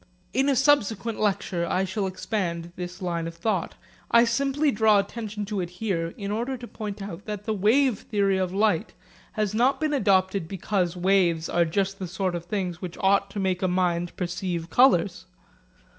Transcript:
In a subsequent lecture I shall expand this line of thought. I simply draw attention to it here in order to point out that the wave theory of light has not been adopted because waves are just the sort of things which ought to make a mind perceive colours.